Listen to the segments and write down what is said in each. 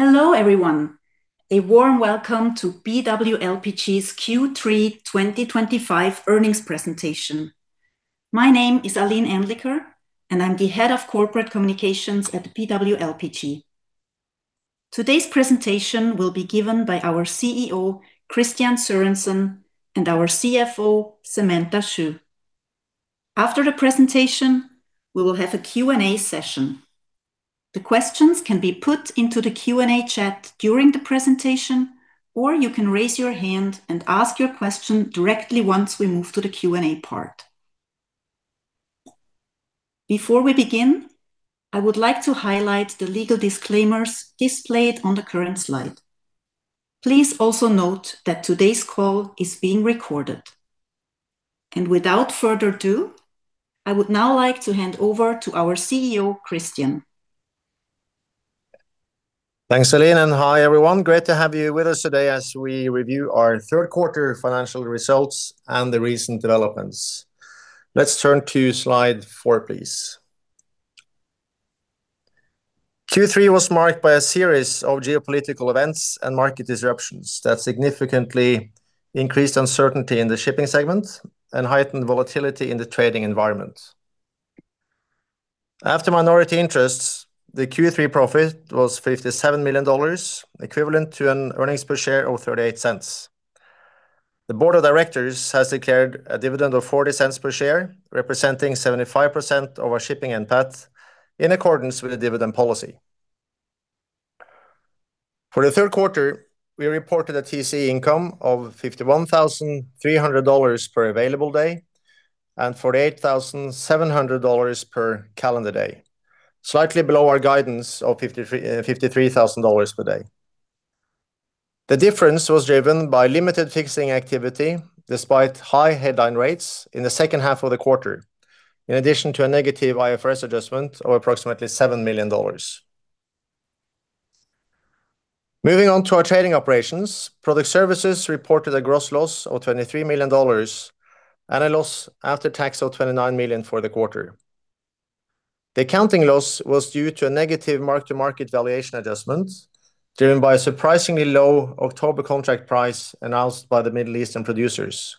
Hello everyone, a warm welcome to BW LPG's Q3 2025 earnings presentation. My name is Aline Anliker, and I'm the Head of Corporate Communications at BW LPG. Today's presentation will be given by our CEO, Kristian Sørensen, and our CFO, Samantha Xu. After the presentation, we will have a Q&A session. The questions can be put into the Q&A chat during the presentation, or you can raise your hand and ask your question directly once we move to the Q&A part. Before we begin, I would like to highlight the legal disclaimers displayed on the current slide. Please also note that today's call is being recorded. Without further ado, I would now like to hand over to our CEO, Kristian. Thanks, Aline, and hi everyone. Great to have you with us today as we review our third quarter financial results and the recent developments. Let's turn to slide four, please. Q3 was marked by a series of geopolitical events and market disruptions that significantly increased uncertainty in the shipping segment and heightened volatility in the trading environment. After minority interests, the Q3 profit was $57 million, equivalent to an earnings per share of $0.38. The board of directors has declared a dividend of $0.40 per share, representing 75% of our shipping NPAT, in accordance with the dividend policy. For the third quarter, we reported a TCE income of $51,300 per available day and $48,700 per calendar day, slightly below our guidance of $53,000 per day. The difference was driven by limited fixing activity despite high headline rates in the second half of the quarter, in addition to a negative IFRS adjustment of approximately $7 million. Moving on to our trading operations, Product Services reported a gross loss of $23 million and a loss after tax of $29 million for the quarter. The accounting loss was due to a negative mark-to-market valuation adjustment driven by a surprisingly low October contract price announced by the Middle Eastern producers.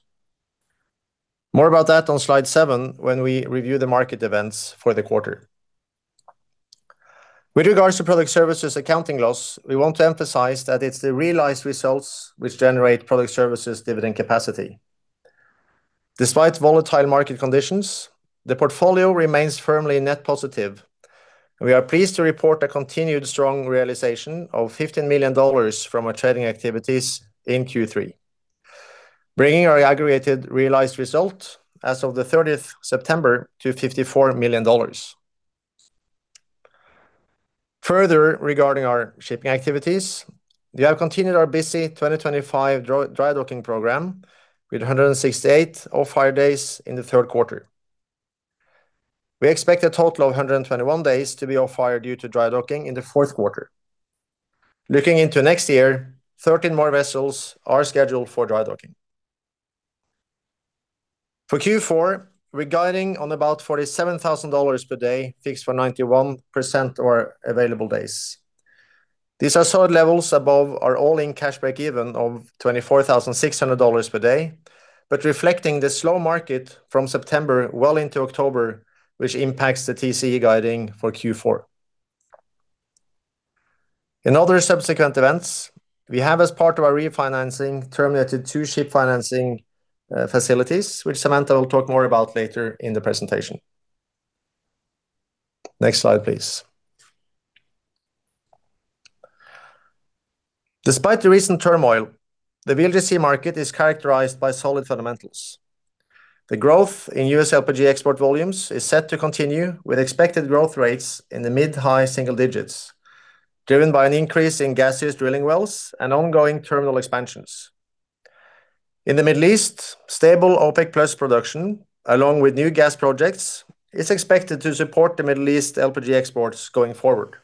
More about that on slide seven when we review the market events for the quarter. With regards to Product Services accounting loss, we want to emphasize that it's the realized results which generate Product Services dividend capacity. Despite volatile market conditions, the portfolio remains firmly net positive. We are pleased to report a continued strong realization of $15 million from our trading activities in Q3, bringing our aggregated realized result as of the 30th of September to $54 million. Further, regarding our shipping activities, we have continued our busy 2025 dry docking program with 168 off-hire days in the third quarter. We expect a total of 121 days to be off-hire due to dry docking in the fourth quarter. Looking into next year, 13 more vessels are scheduled for dry docking. For Q4, we're guiding on about $47,000 per day fixed for 91% of our available days. These are solid levels above our all-in cash break-even of $24,600 per day, but reflecting the slow market from September well into October, which impacts the TCE guiding for Q4. In other subsequent events, we have, as part of our refinancing, terminated two ship financing facilities, which Samantha will talk more about later in the presentation. Next slide, please. Despite the recent turmoil, the VLGC market is characterized by solid fundamentals. The growth in U.S. LPG export volumes is set to continue with expected growth rates in the mid-high single digits, driven by an increase in gaseous drilling wells and ongoing terminal expansions. In the Middle East, stable OPEC+ production, along with new gas projects, is expected to support the Middle East LPG exports going forward.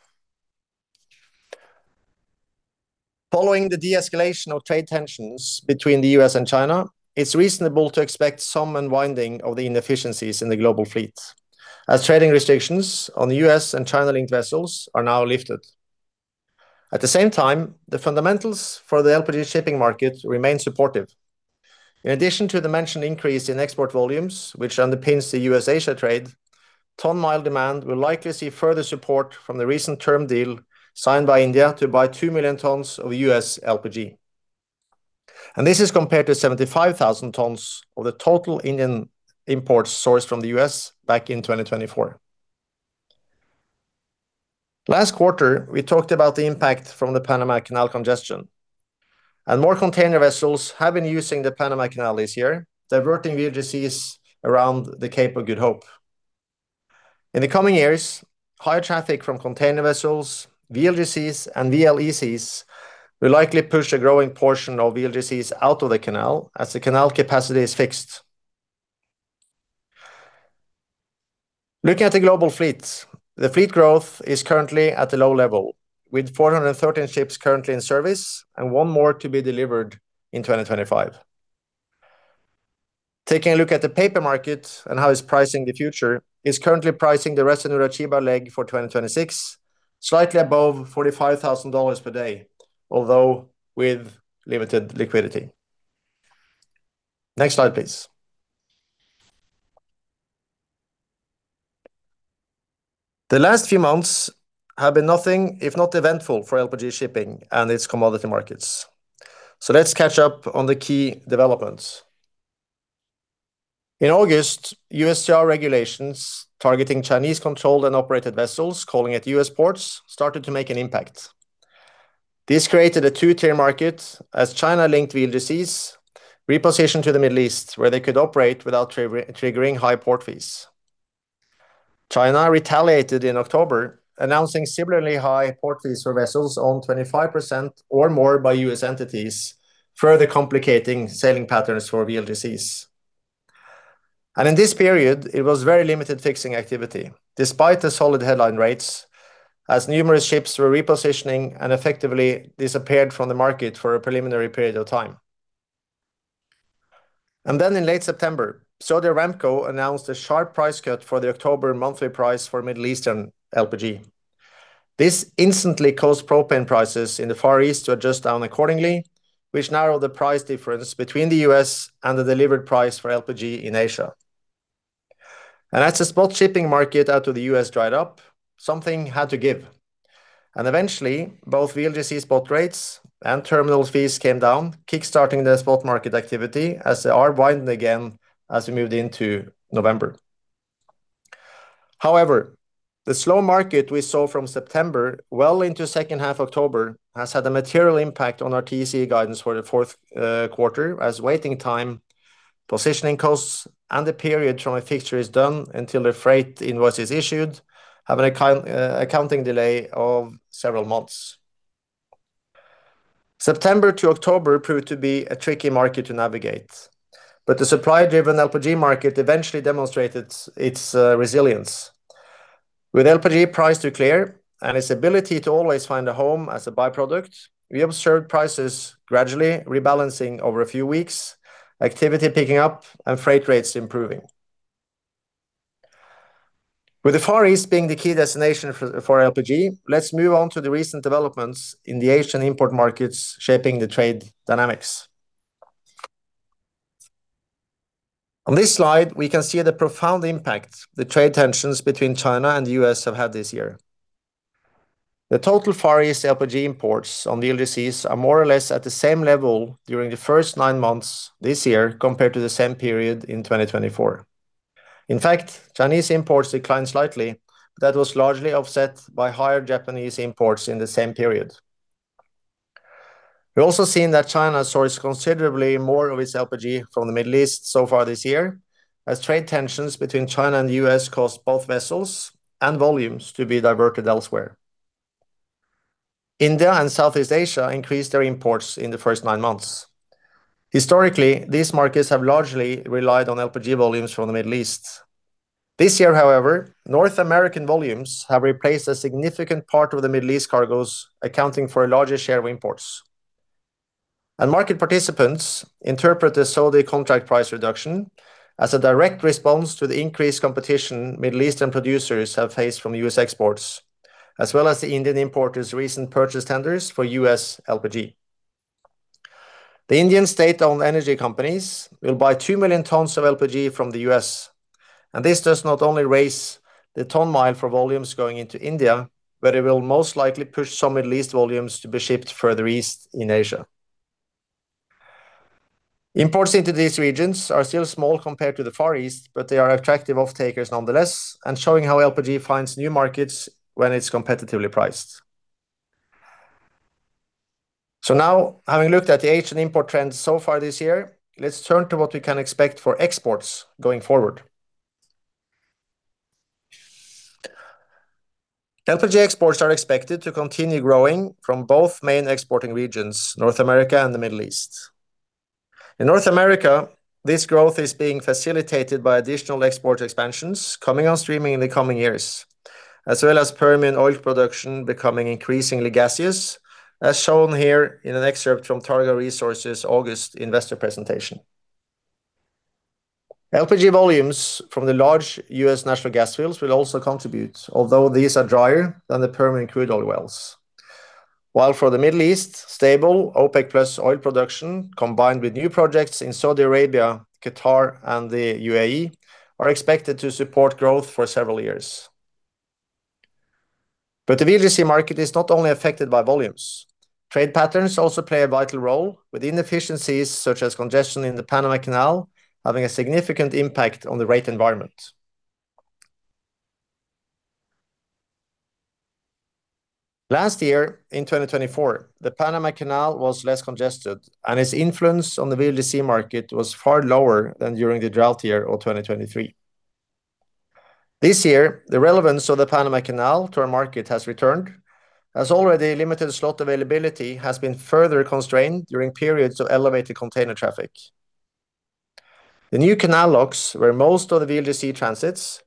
Following the de-escalation of trade tensions between the U.S. and China, it's reasonable to expect some unwinding of the inefficiencies in the global fleet, as trading restrictions on U.S. and China-linked vessels are now lifted. At the same time, the fundamentals for the LPG shipping market remain supportive. In addition to the mentioned increase in export volumes, which underpins the U.S.-Asia trade, ton-mile demand will likely see further support from the recent term deal signed by India to buy 2 million tons of U.S. LPG. This is compared to 75,000 tons of the total Indian imports sourced from the U.S. back in 2024. Last quarter, we talked about the impact from the Panama Canal congestion, and more container vessels have been using the Panama Canal this year, diverting VLGCs around the Cape of Good Hope. In the coming years, higher traffic from container vessels, VLGCs, and VLECs will likely push a growing portion of VLGCs out of the canal as the canal capacity is fixed. Looking at the global fleet, the fleet growth is currently at a low level, with 413 ships currently in service and one more to be delivered in 2025. Taking a look at the paper market and how it's pricing the future, it's currently pricing the rest of the Ras Tanura-Chiba leg for 2026 slightly above $45,000 per day, although with limited liquidity. Next slide, please. The last few months have been nothing, if not eventful, for LPG shipping and its commodity markets. Let's catch up on the key developments. In August, USTR regulations targeting Chinese-controlled and operated vessels, calling at U.S. ports, started to make an impact. This created a two-tier market as China-linked VLGCs repositioned to the Middle East, where they could operate without triggering high port fees. China retaliated in October, announcing similarly high port fees for vessels owned 25% or more by U.S. entities, further complicating sailing patterns for VLGCs. During this period, it was very limited fixing activity, despite the solid headline rates, as numerous ships were repositioning and effectively disappeared from the market for a preliminary period of time. In late September, Saudi Aramco announced a sharp price cut for the October monthly price for Middle Eastern LPG. This instantly caused propane prices in the Far East to adjust down accordingly, which narrowed the price difference between the U.S. and the delivered price for LPG in Asia. As the spot shipping market out of the US dried up, something had to give. Eventually, both VLGC spot rates and terminal fees came down, kickstarting the spot market activity as they widened again as we moved into November. However, the slow market we saw from September well into second half of October has had a material impact on our TCE guidance for the fourth quarter, as waiting time, positioning costs, and the period from a fixture is done until the freight invoice is issued have an accounting delay of several months. September to October proved to be a tricky market to navigate, but the supply-driven LPG market eventually demonstrated its resilience. With LPG priced to clear and its ability to always find a home as a byproduct, we observed prices gradually rebalancing over a few weeks, activity picking up, and freight rates improving. With the Far East being the key destination for LPG, let's move on to the recent developments in the Asian import markets shaping the trade dynamics. On this slide, we can see the profound impact the trade tensions between China and the U.S. have had this year. The total Far East LPG imports on VLGCs are more or less at the same level during the first nine months this year compared to the same period in 2023. In fact, Chinese imports declined slightly, but that was largely offset by higher Japanese imports in the same period. We've also seen that China sourced considerably more of its LPG from the Middle East so far this year, as trade tensions between China and the U.S. caused both vessels and volumes to be diverted elsewhere. India and Southeast Asia increased their imports in the first nine months. Historically, these markets have largely relied on LPG volumes from the Middle East. This year, however, North American volumes have replaced a significant part of the Middle East cargoes, accounting for a larger share of imports. Market participants interpret the Saudi contract price reduction as a direct response to the increased competition Middle Eastern producers have faced from U.S. exports, as well as the Indian importers' recent purchase tenders for U.S. LPG. The Indian state-owned energy companies will buy 2 million tons of LPG from the U.S., and this does not only raise the ton-mile for volumes going into India, but it will most likely push some Middle East volumes to be shipped further east in Asia. Imports into these regions are still small compared to the Far East, but they are attractive off-takers nonetheless, and showing how LPG finds new markets when it's competitively priced. Now, having looked at the Asian import trends so far this year, let's turn to what we can expect for exports going forward. LPG exports are expected to continue growing from both main exporting regions, North America and the Middle East. In North America, this growth is being facilitated by additional export expansions coming on stream in the coming years, as well as Permian oil production becoming increasingly gaseous, as shown here in an excerpt from Targa Resources' August investor presentation. LPG volumes from the large US natural gas fields will also contribute, although these are drier than the Permian crude oil wells. For the Middle East, stable OPEC+ oil production, combined with new projects in Saudi Arabia, Qatar, and the UAE, are expected to support growth for several years. The VLGC market is not only affected by volumes. Trade patterns also play a vital role with inefficiencies such as congestion in the Panama Canal having a significant impact on the rate environment. Last year, in 2024, the Panama Canal was less congested, and its influence on the VLGC market was far lower than during the drought year of 2023. This year, the relevance of the Panama Canal to our market has returned, as already limited slot availability has been further constrained during periods of elevated container traffic. The new canal locks, where most of the VLGC transits,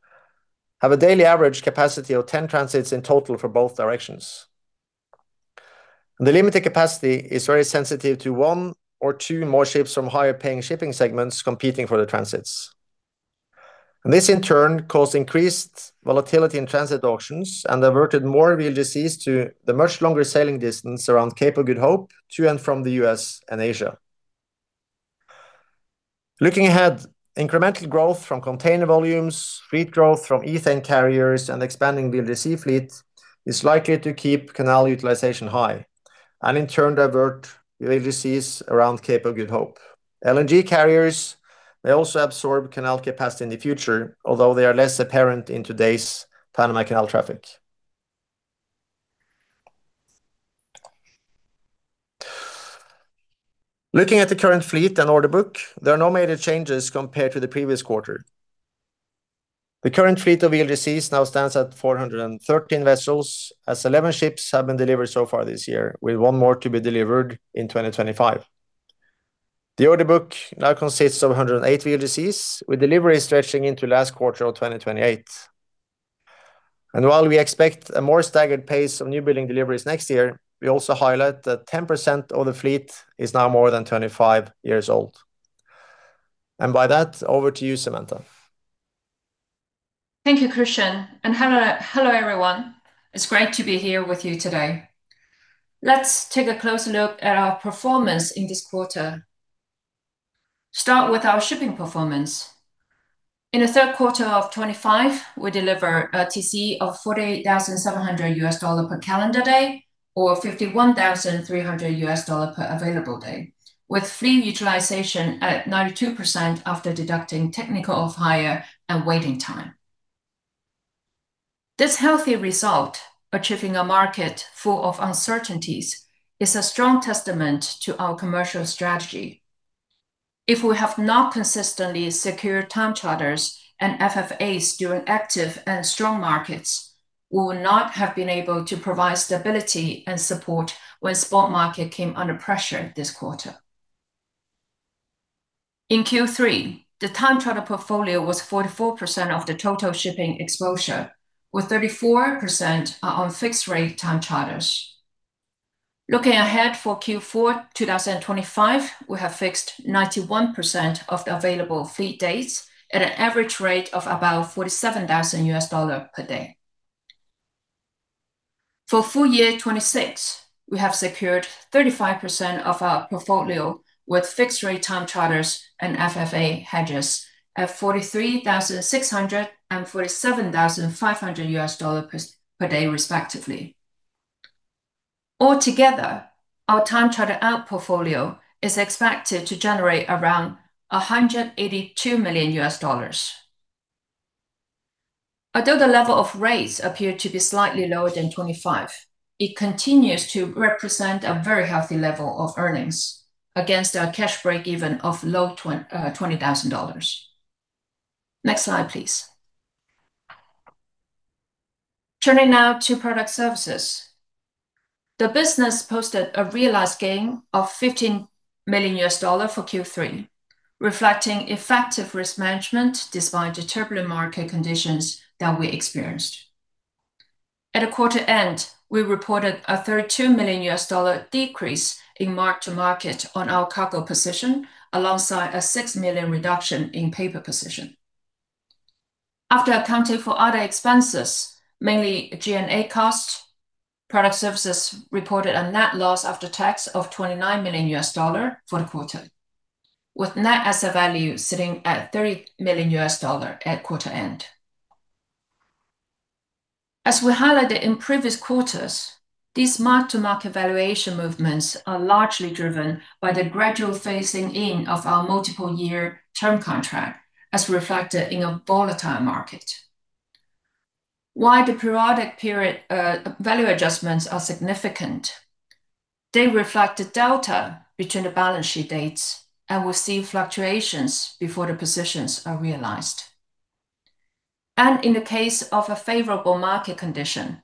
have a daily average capacity of 10 transits in total for both directions. The limited capacity is very sensitive to one or two more ships from higher-paying shipping segments competing for the transits. This, in turn, caused increased volatility in transit auctions and diverted more VLGCs to the much longer sailing distance around Cape of Good Hope to and from the U.S. and Asia. Looking ahead, incremental growth from container volumes, fleet growth from ethane carriers, and expanding VLGC fleet is likely to keep canal utilization high and, in turn, divert VLGCs around Cape of Good Hope. LNG carriers, they also absorb canal capacity in the future, although they are less apparent in today's Panama Canal traffic. Looking at the current fleet and order book, there are no major changes compared to the previous quarter. The current fleet of VLGCs now stands at 413 vessels, as 11 ships have been delivered so far this year, with one more to be delivered in 2025. The order book now consists of 108 VLGCs, with deliveries stretching into last quarter of 2028. While we expect a more staggered pace of new building deliveries next year, we also highlight that 10% of the fleet is now more than 25 years old. By that, over to you, Samantha. Thank you, Kristian. Hello, everyone. It's great to be here with you today. Let's take a closer look at our performance in this quarter. Start with our shipping performance. In the third quarter of 2025, we deliver a TCE of $48,700 per calendar day, or $51,300 per available day, with fleet utilization at 92% after deducting technical off-hire and waiting time. This healthy result, achieving a market full of uncertainties, is a strong testament to our commercial strategy. If we have not consistently secured time charters and FFAs during active and strong markets, we will not have been able to provide stability and support when the spot market came under pressure this quarter. In Q3, the time charter portfolio was 44% of the total shipping exposure, with 34% on fixed-rate time charters. Looking ahead for Q4 2025, we have fixed 91% of the available fleet dates at an average rate of about $47,000 per day. For full year 2026, we have secured 35% of our portfolio with fixed-rate time charters and FFA hedges at $43,600 and $47,500 per day, respectively. Altogether, our time charter out portfolio is expected to generate around $182 million. Although the level of rates appear to be slightly lower than 2025, it continues to represent a very healthy level of earnings against our cash break-even of low $20,000. Next slide, please. Turning now to product services. The business posted a realized gain of $15 million for Q3, reflecting effective risk management despite the turbulent market conditions that we experienced. At the quarter end, we reported a $32 million decrease in mark-to-market on our cargo position, alongside a $6 million reduction in paper position. After accounting for other expenses, mainly G&A costs, product services reported a net loss after tax of $29 million for the quarter, with net asset value sitting at $30 million at quarter end. As we highlighted in previous quarters, these mark-to-market valuation movements are largely driven by the gradual phasing in of our multiple-year term contract, as reflected in a volatile market. While the periodic period value adjustments are significant, they reflect the delta between the balance sheet dates and will see fluctuations before the positions are realized. In the case of a favorable market condition,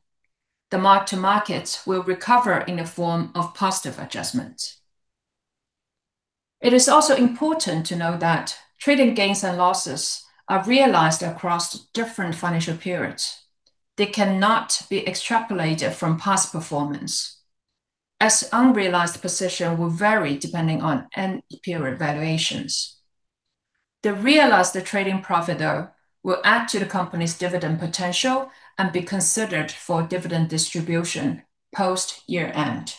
the mark-to-markets will recover in the form of positive adjustments. It is also important to know that trading gains and losses are realized across different financial periods. They cannot be extrapolated from past performance, as unrealized positions will vary depending on end period valuations. The realized trading profit, though, will add to the company's dividend potential and be considered for dividend distribution post year-end.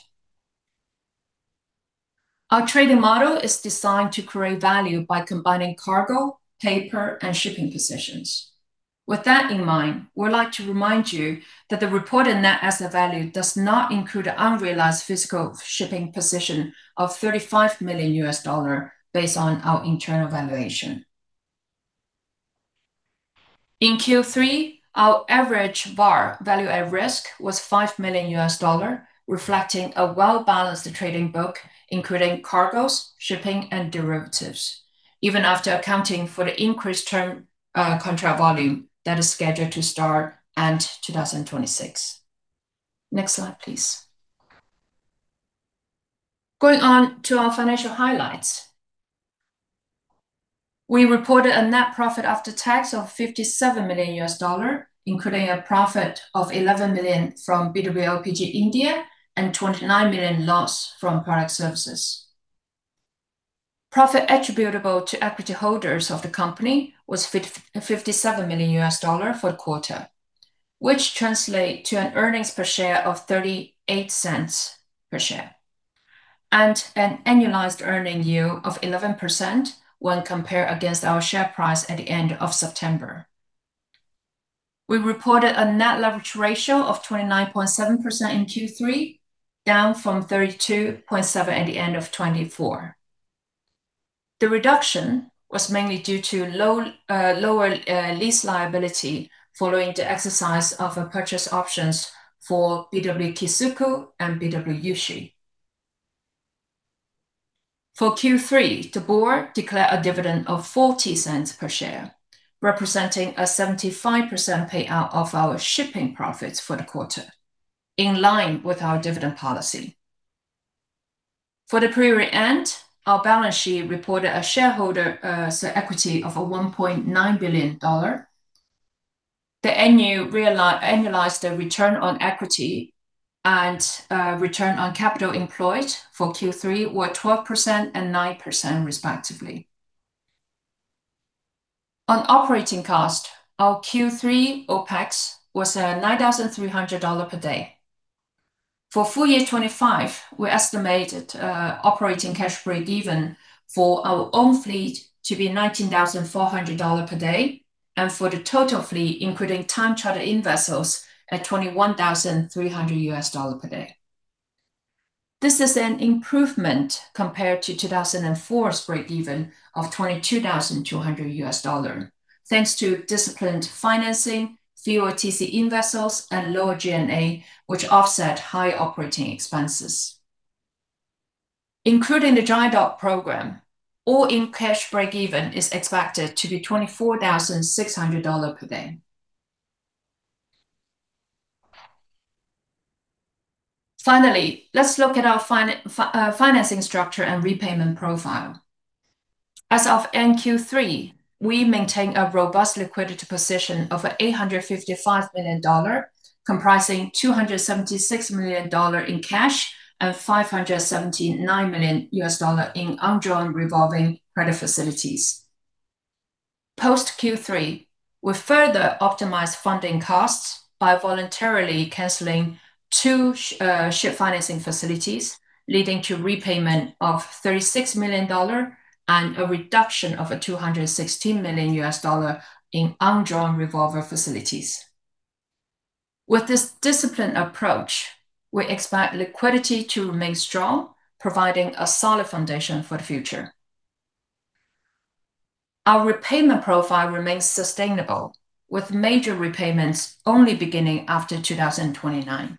Our trading model is designed to create value by combining cargo, paper, and shipping positions. With that in mind, we'd like to remind you that the reported net asset value does not include an unrealized physical shipping position of $35 million based on our internal valuation. In Q3, our average VAR value at risk was $5 million, reflecting a well-balanced trading book including cargoes, shipping, and derivatives, even after accounting for the increased term contract volume that is scheduled to start end 2026. Next slide, please. Going on to our financial highlights. We reported a net profit after tax of $57 million, including a profit of $11 million from BW LPG India and $29 million loss from Product Services. Profit attributable to equity holders of the company was $57 million for the quarter, which translates to an earnings per share of $0.38 per share and an annualized earning yield of 11% when compared against our share price at the end of September. We reported a net leverage ratio of 29.7% in Q3, down from 32.7% at the end of 2024. The reduction was mainly due to lower lease liability following the exercise of purchase options for BW Kisuku and BW Yushi. For Q3, the board declared a dividend of $0.40 per share, representing a 75% payout of our shipping profits for the quarter, in line with our dividend policy. For the period end, our balance sheet reported a shareholder equity of $1.9 billion. The annual realized return on equity and return on capital employed for Q3 were 12% and 9%, respectively. On operating cost, our Q3 OpEx was $9,300 per day. For full year 2025, we estimated operating cash break-even for our own fleet to be $19,400 per day and for the total fleet, including time charter in vessels, at $21,300 per day. This is an improvement compared to 2004's break-even of $22,200, thanks to disciplined financing, fewer TCE vessels, and lower G&A, which offset high operating expenses. Including the dry dock program, all-in cash break-even is expected to be $24,600 per day. Finally, let's look at our financing structure and repayment profile. As of end Q3, we maintain a robust liquidity position of $855 million, comprising $276 million in cash and $579 million in ongoing revolving credit facilities. Post Q3, we further optimized funding costs by voluntarily canceling two ship financing facilities, leading to repayment of $36 million and a reduction of $216 million in ongoing revolver facilities. With this disciplined approach, we expect liquidity to remain strong, providing a solid foundation for the future. Our repayment profile remains sustainable, with major repayments only beginning after 2029.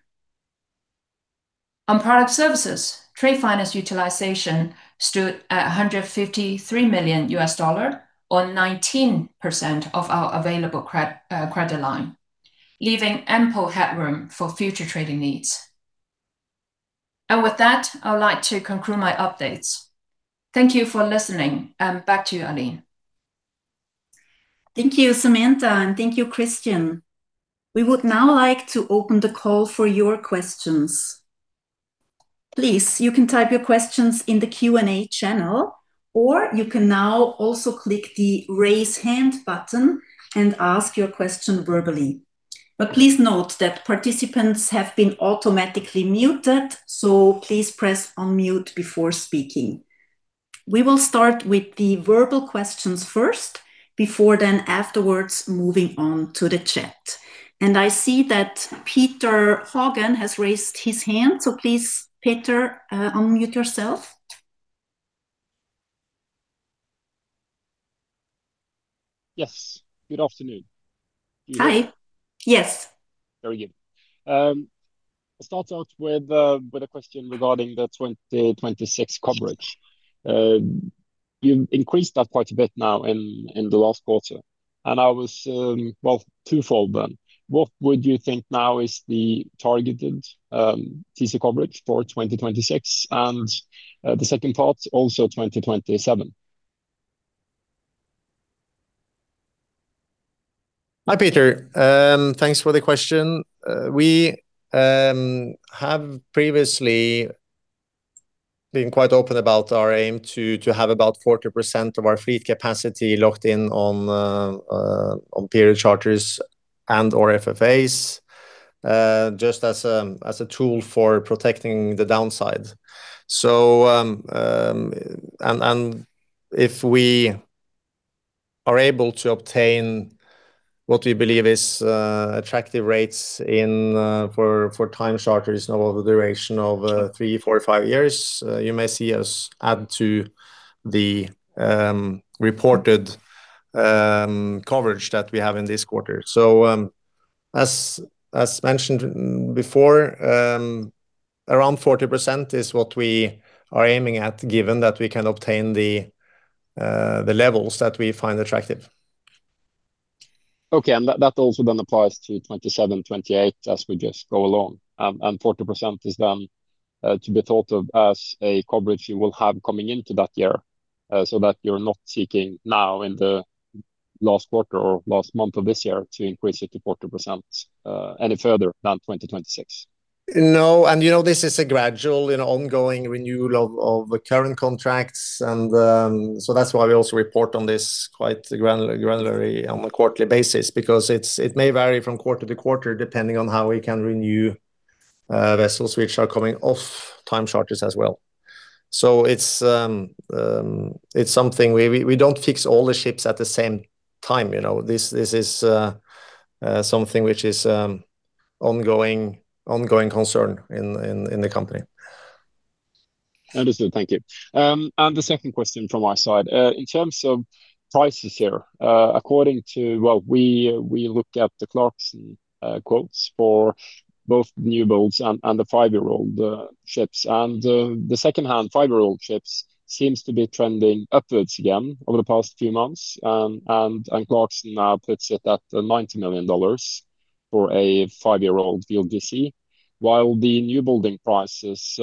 On Product Services, trade finance utilization stood at $153 million, or 19% of our available credit line, leaving ample headroom for future trading needs. With that, I would like to conclude my updates. Thank you for listening, and back to you, Aline. Thank you, Samantha, and thank you, Kristian. We would now like to open the call for your questions. Please, you can type your questions in the Q&A channel, or you can now also click the raise hand button and ask your question verbally. Please note that participants have been automatically muted, so please press unmute before speaking. We will start with the verbal questions first, before afterwards moving on to the chat. I see that Peter Haugen has raised his hand, so please, Peter, unmute yourself. Yes. Good afternoon. Hi. Yes. Very good. I'll start out with a question regarding the 2026 coverage. You've increased that quite a bit now in the last quarter. I was, well, twofold then. What would you think now is the targeted TC coverage for 2026 and the second part, also 2027? Hi, Peter. Thanks for the question. We have previously been quite open about our aim to have about 40% of our fleet capacity locked in on period charters and/or FFAs, just as a tool for protecting the downside. If we are able to obtain what we believe is attractive rates for time charters over the duration of three, four, or five years, you may see us add to the reported coverage that we have in this quarter. As mentioned before, around 40% is what we are aiming at, given that we can obtain the levels that we find attractive. Okay. That also then applies to 2027, 2028 as we just go along. 40% is then to be thought of as a coverage you will have coming into that year so that you're not seeking now in the last quarter or last month of this year to increase it to 40% any further than 2026. No. You know this is a gradual and ongoing renewal of current contracts. That is why we also report on this quite granularly on a quarterly basis, because it may vary from quarter to quarter depending on how we can renew vessels which are coming off time charters as well. It is something we do not fix all the ships at the same time. This is something which is an ongoing concern in the company. Understood. Thank you. The second question from my side. In terms of prices here, according to, we look at the Clarksons quotes for both the new builds and the five-year-old ships. The second-hand five-year-old ships seems to be trending upwards again over the past few months. Clarksons now puts it at $90 million for a five-year-old VLGC, while the new building price is,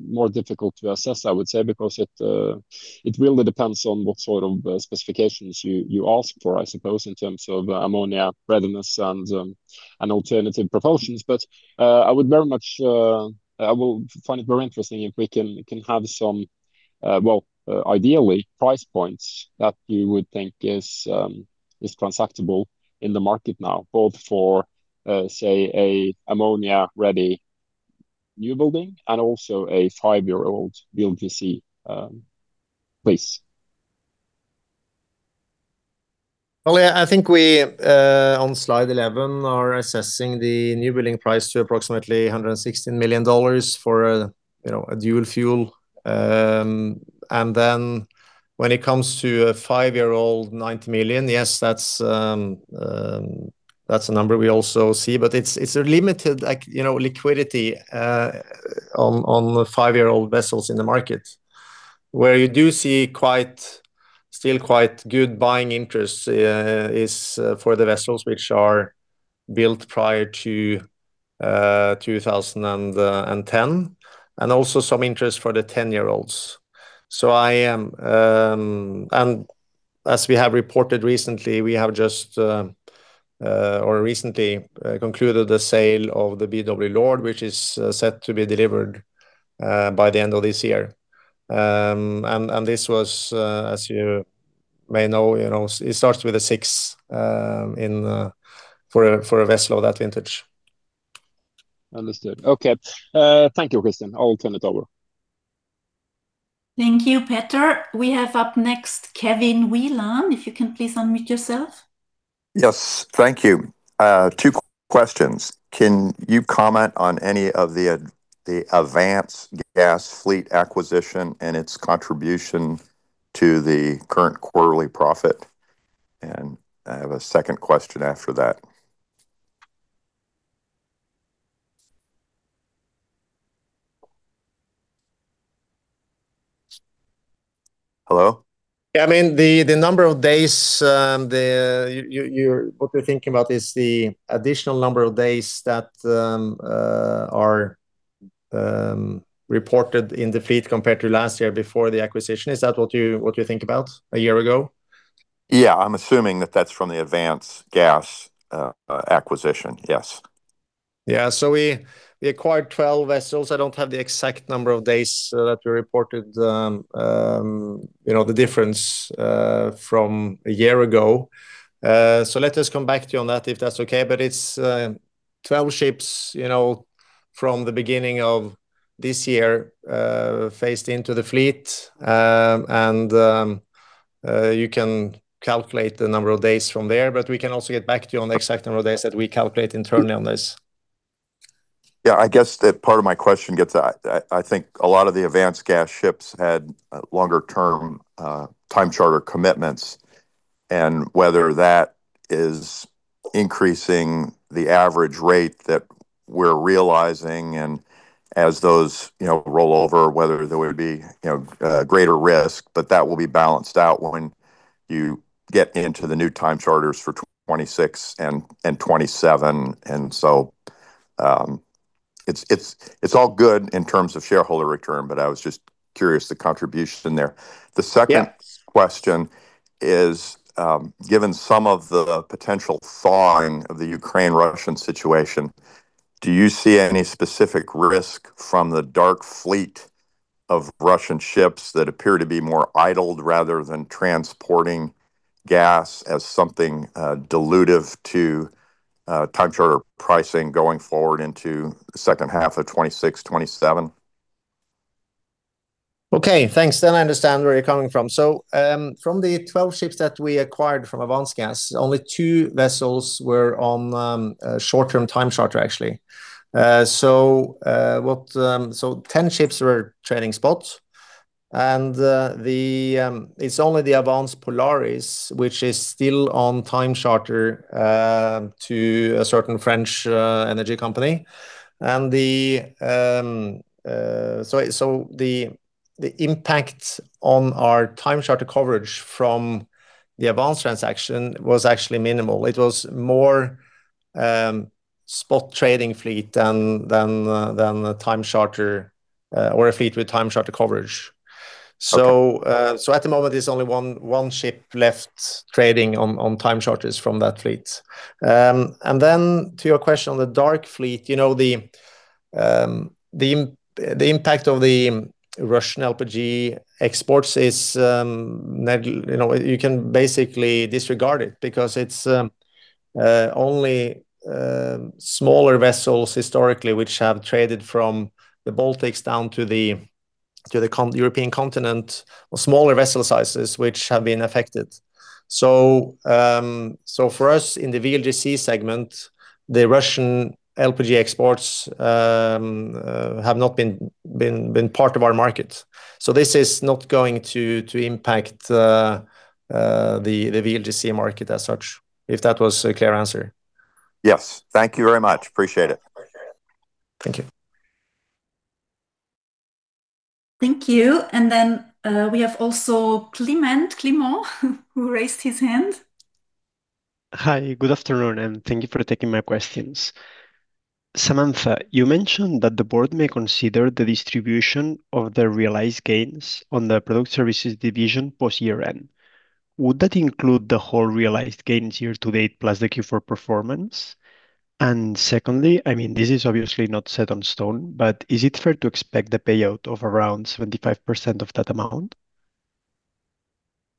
more difficult to assess, I would say, because it really depends on what sort of specifications you ask for, I suppose, in terms of ammonia readiness and alternative propulsions. I would very much, I will find it very interesting if we can have some, ideally, price points that you would think is transactable in the market now, both for, say, an ammonia-ready new building and also a five-year-old VLGC, please. I think we on slide 11 are assessing the new building price to approximately $116 million for a dual fuel. And then when it comes to a five-year-old, $90 million, yes, that's a number we also see. But it's a limited liquidity on five-year-old vessels in the market. Where you do see still quite good buying interest is for the vessels which are built prior to 2010, and also some interest for the 10-year-olds. I am, and as we have reported recently, we have just, or recently concluded the sale of the BW Lord, which is set to be delivered by the end of this year. This was, as you may know, it starts with a six for a vessel of that vintage. Understood. Okay. Thank you, Kristian. I'll turn it over. Thank you, Peter. We have up next Kevin Whelan. If you can please unmute yourself. Yes. Thank you. Two questions. Can you comment on any of the Avance Gas fleet acquisition and its contribution to the current quarterly profit? I have a second question after that. Yeah. I mean, the number of days, what you're thinking about is the additional number of days that are reported in the fleet compared to last year before the acquisition. Is that what you think about a year ago? Yeah. I'm assuming that that's from the Avance Gas acquisition. Yes. Yeah. We acquired 12 vessels. I don't have the exact number of days that we reported the difference from a year ago. Let us come back to you on that, if that's okay. It is 12 ships from the beginning of this year phased into the fleet. You can calculate the number of days from there. We can also get back to you on the exact number of days that we calculate internally on this. Yeah. I guess that part of my question gets at, I think a lot of the Avance Gas ships had longer-term time charter commitments. Whether that is increasing the average rate that we're realizing, and as those roll over, whether there would be greater risk. That will be balanced out when you get into the new time charters for 2026 and 2027. It is all good in terms of shareholder return. I was just curious the contribution there. The second question is, given some of the potential thawing of the Ukraine-Russian situation, do you see any specific risk from the dark fleet of Russian ships that appear to be more idled rather than transporting gas as something dilutive to time charter pricing going forward into the second half of 2026, 2027? Okay. Thanks. I understand where you're coming from. From the 12 ships that we acquired from Avance Gas, only two vessels were on short-term time charter, actually. Ten ships were trading spot. It's only the Avance Polaris, which is still on time charter to a certain French energy company. The impact on our time charter coverage from the Avance transaction was actually minimal. It was more spot trading fleet than time charter or a fleet with time charter coverage. At the moment, there's only one ship left trading on time charters from that fleet. To your question on the dark fleet, the impact of the Russian LPG exports is you can basically disregard it because it's only smaller vessels historically which have traded from the Baltics down to the European continent, or smaller vessel sizes which have been affected. For us in the VLGC segment, the Russian LPG exports have not been part of our market. This is not going to impact the VLGC market as such, if that was a clear answer. Yes. Thank you very much. Appreciate it. Thank you. Thank you. We have also Clement Chabarne, who raised his hand. Hi. Good afternoon, and thank you for taking my questions. Samantha, you mentioned that the board may consider the distribution of the realized gains on the product services division post-year-end. Would that include the whole realized gains year-to-date plus the Q4 performance? And secondly, I mean, this is obviously not set in stone, but is it fair to expect the payout of around 75% of that amount?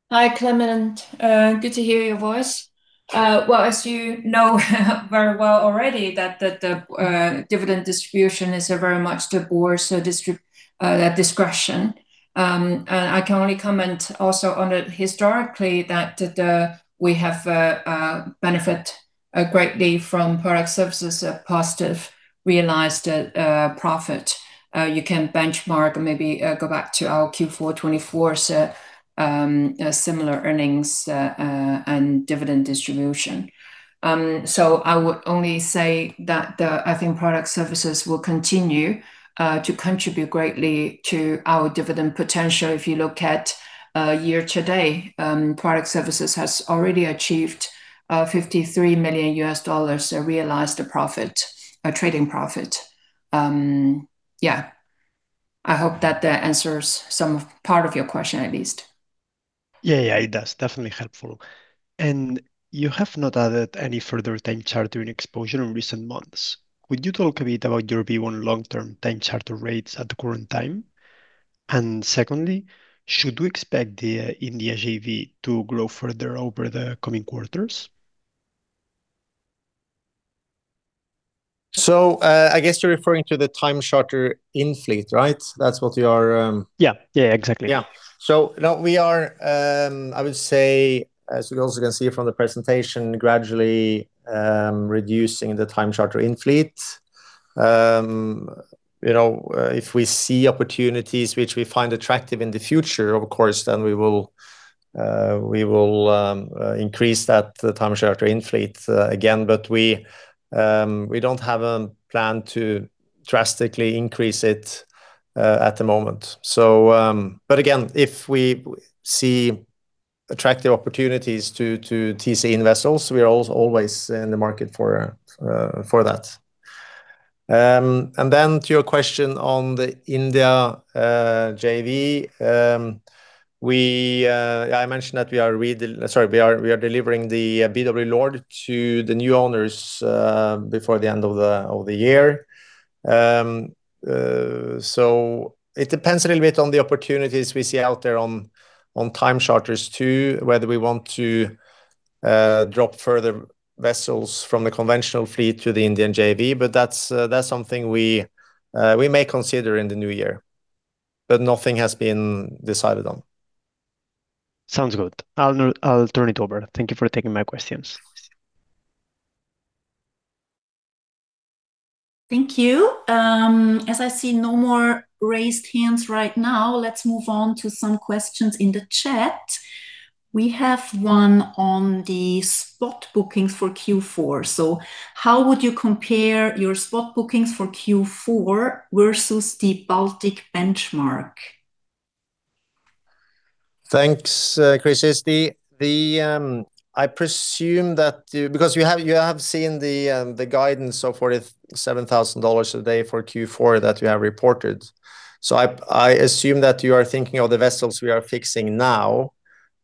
Hi, Clement. Good to hear your voice. As you know very well already, the dividend distribution is very much the board's discretion. I can only comment also on it historically that we have benefited greatly from product services' positive realized profit. You can benchmark or maybe go back to our Q4 2024 similar earnings and dividend distribution. I would only say that I think product services will continue to contribute greatly to our dividend potential. If you look at year-to-date, product services has already achieved $53 million realized trading profit. Yeah. I hope that answers some part of your question, at least. Yeah, it does. Definitely helpful. You have not added any further time chartering exposure in recent months. Would you talk a bit about your view on long-term time charter rates at the current time? Secondly, should we expect the NDAGV to grow further over the coming quarters? I guess you're referring to the time charter in fleet, right? That's what you are? Yeah, exactly. Now we are, I would say, as we also can see from the presentation, gradually reducing the time charter in fleet. If we see opportunities which we find attractive in the future, of course, then we will increase that time charter in fleet again. We do not have a plan to drastically increase it at the moment. If we see attractive opportunities to TC in vessels, we are always in the market for that. To your question on the India JV, I mentioned that we are delivering the BW Lord to the new owners before the end of the year. It depends a little bit on the opportunities we see out there on time charters too, whether we want to drop further vessels from the conventional fleet to the Indian JV. That is something we may consider in the new year. Nothing has been decided on. Sounds good. I'll turn it over. Thank you for taking my questions. Thank you. As I see no more raised hands right now, let's move on to some questions in the chat. We have one on the spot bookings for Q4. How would you compare your spot bookings for Q4 versus the Baltic benchmark? Thanks, Kristi. I presume that because you have seen the guidance of $47,000 a day for Q4 that you have reported. I assume that you are thinking of the vessels we are fixing now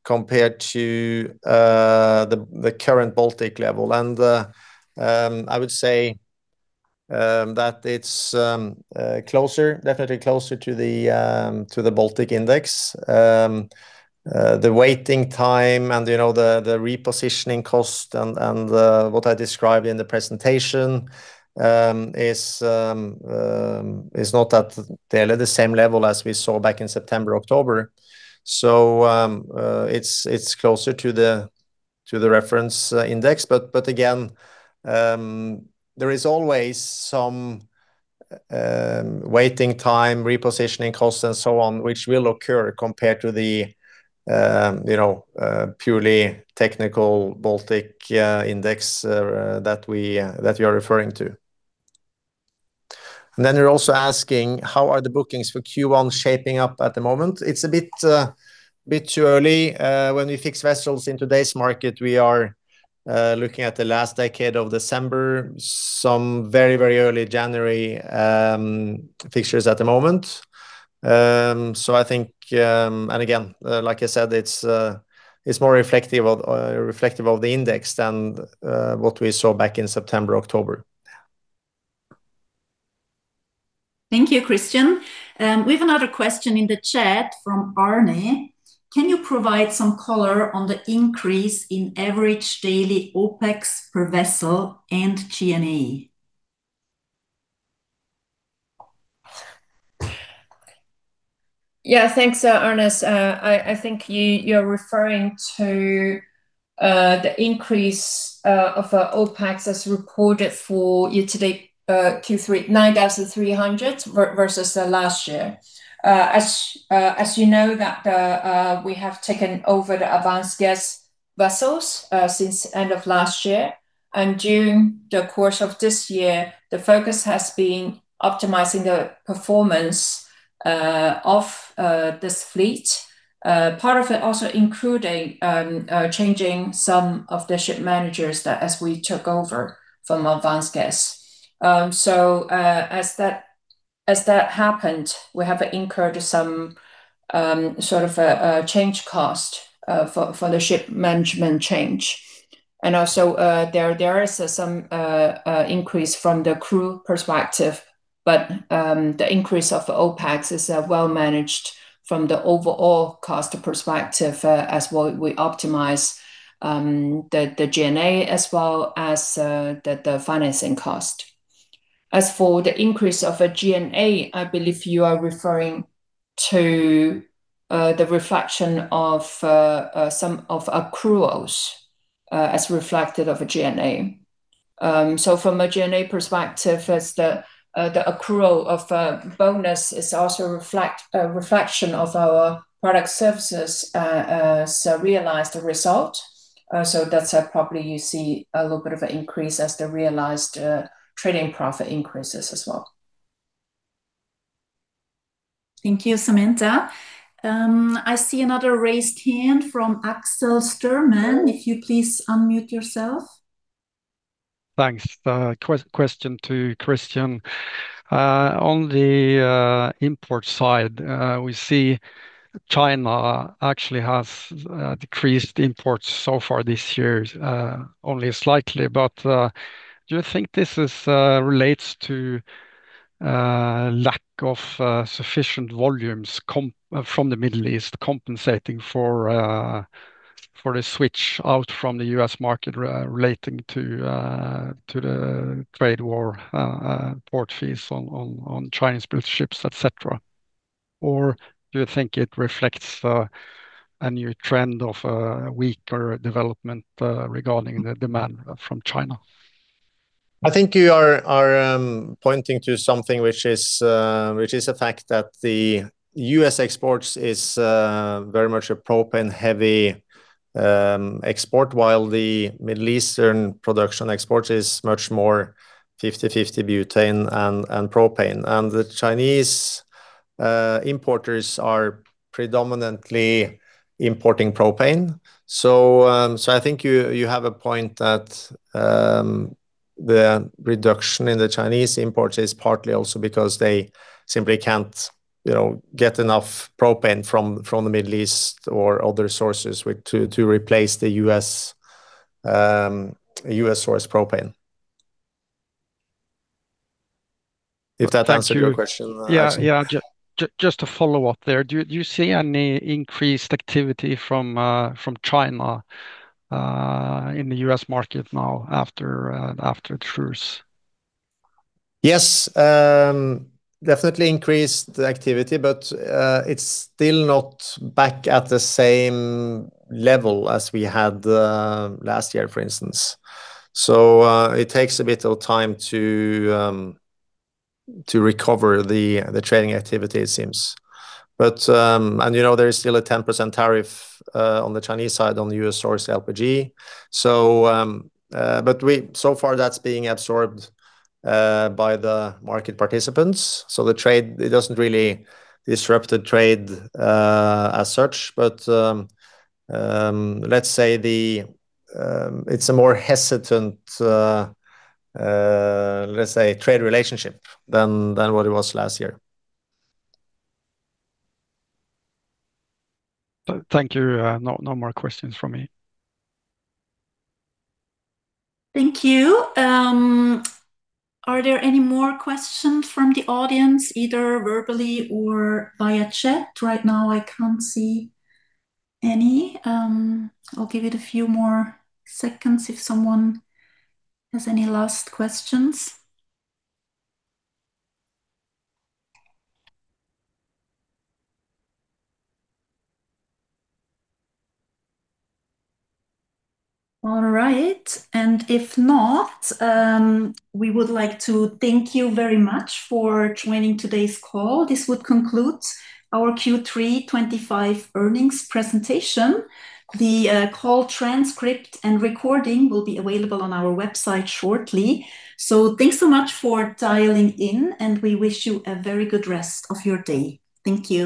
compared to the current Baltic level. I would say that it is closer, definitely closer to the Baltic index. The waiting time and the repositioning cost and what I described in the presentation is not at the same level as we saw back in September, October. It is closer to the reference index. There is always some waiting time, repositioning costs, and so on, which will occur compared to the purely technical Baltic index that we are referring to. You are also asking, how are the bookings for Q1 shaping up at the moment? It is a bit too early. When we fix vessels in today's market, we are looking at the last decade of December, some very, very early January fixtures at the moment. I think, like I said, it's more reflective of the index than what we saw back in September, October. Thank you, Kristian. We have another question in the chat from Arne. Can you provide some color on the increase in average daily OpEx per vessel and G&E? Yeah. Thanks, Arne. I think you're referring to the increase of OpEx as reported for year-to-date $9,300 versus last year. As you know, we have taken over the Avance Gas vessels since the end of last year. During the course of this year, the focus has been optimizing the performance of this fleet, part of it also including changing some of the ship managers that we took over from Avance Gas. As that happened, we have incurred some sort of a change cost for the ship management change. Also, there is some increase from the crew perspective. The increase of OpEx is well-managed from the overall cost perspective as we optimize the G&A as well as the financing cost. As for the increase of G&A, I believe you are referring to the reflection of some of our accruals as reflected of G&A. From a G&A perspective, the accrual of bonus is also a reflection of our Product Services' realized result. That is probably why you see a little bit of an increase as the realized trading profit increases as well. Thank you, Samantha. I see another raised hand from Axel Styrman. If you please unmute yourself. Thanks. Question to Kristian. On the import side, we see China actually has decreased imports so far this year, only slightly. Do you think this relates to lack of sufficient volumes from the Middle East compensating for the switch out from the U.S. market relating to the trade war port fees on Chinese ships, etc.? Do you think it reflects a new trend of a weaker development regarding the demand from China? I think you are pointing to something which is a fact that the U.S. exports is very much a propane-heavy export, while the Middle Eastern production export is much more 50/50 butane and propane. The Chinese importers are predominantly importing propane. I think you have a point that the reduction in the Chinese imports is partly also because they simply can't get enough propane from the Middle East or other sources to replace the U.S.-sourced propane. If that answered your question. Yeah. Just to follow up there, do you see any increased activity from China in the U.S. market now after truce? Yes. Definitely increased activity, but it's still not back at the same level as we had last year, for instance. It takes a bit of time to recover the trading activity, it seems. There is still a 10% tariff on the Chinese side on the U.S.-sourced LPG. So far, that's being absorbed by the market participants. The trade, it doesn't really disrupt the trade as such. Let's say it's a more hesitant, let's say, trade relationship than what it was last year. Thank you. No more questions from me. Thank you. Are there any more questions from the audience, either verbally or via chat? Right now, I can't see any. I'll give it a few more seconds if someone has any last questions. All right. If not, we would like to thank you very much for joining today's call. This would conclude our Q3 2025 earnings presentation. The call transcript and recording will be available on our website shortly. Thank you so much for dialing in, and we wish you a very good rest of your day. Thank you.